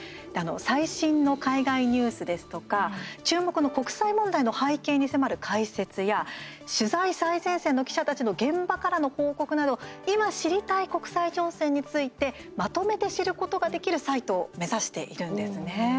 最新の海外ニュースですとか注目の国際問題の背景に迫る解説や取材最前線の記者たちの現場からの報告など今、知りたい国際情勢についてまとめて知ることができるサイトを目指しているんですね。